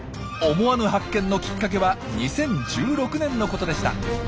思わぬ発見のきっかけは２０１６年のことでした。